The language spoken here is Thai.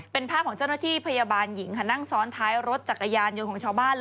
เป็นภาพของเจ้าหน้าที่พยาบาลหญิงค่ะนั่งซ้อนท้ายรถจักรยานยนต์ของชาวบ้าน